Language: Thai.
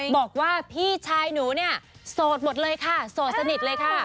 บอกว่าพี่ชายหนูเนี่ยโสดหมดเลยค่ะโสดสนิทเลยค่ะ